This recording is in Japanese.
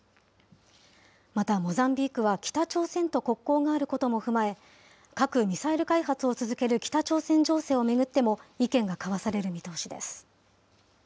またモザンビークは北朝鮮と国交があることも踏まえ、核・ミサイル開発を続ける北朝鮮情勢を巡っても、意見が交わされる見通しです。